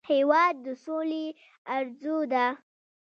هېواد د سولې ارزو ده.